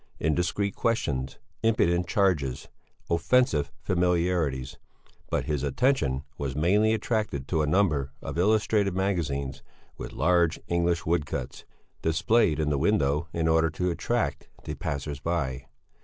Indiscreet questions, impudent charges, offensive familiarities. But his attention was mainly attracted to a number of illustrated magazines with large English woodcuts, displayed in the window in order to attract the passers by.